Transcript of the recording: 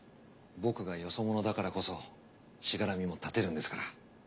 僕がよそ者だからこそしがらみも断てるんですから。